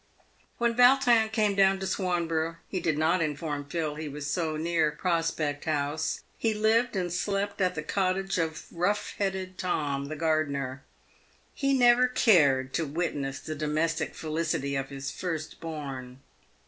When Yautrin came down to Swanborough, he did not inform Phil he was so near Prospect House. He lived and slept at the cot tage of rough headed Tom, the gardener. He never cared to witness the domestic felicity of his first born.